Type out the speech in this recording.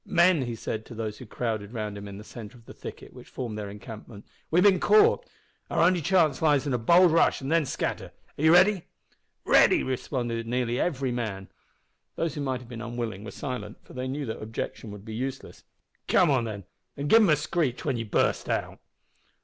"Men," he said to those who crowded round him in the centre of the thicket which formed their encampment, "we've bin caught. Our only chance lies in a bold rush and then scatter. Are you ready?" "Ready!" responded nearly every man. Those who might have been unwilling were silent, for they knew that objection would be useless. "Come on, then, an' give them a screech when ye burst out!"